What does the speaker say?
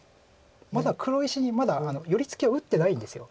黒石にまだ寄り付きを打ってないんです。